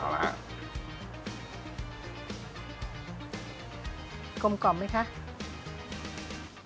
กลมกล่อมไหมค่ะ